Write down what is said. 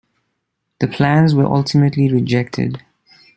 The plans were ultimately rejected.